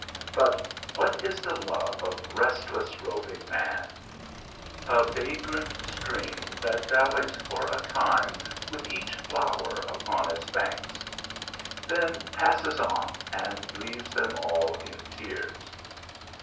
But what is the love of restless, roving man ? a vagrant stream that dallies for a time with each flower upon its banks, then passes on and leaves them all in tears.